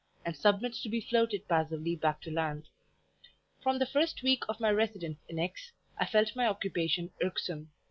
and submits to be floated passively back to land. From the first week of my residence in X I felt my occupation irksome.